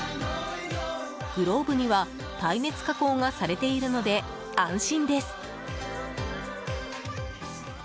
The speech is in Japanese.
グローブには耐熱加工がされているので安心です。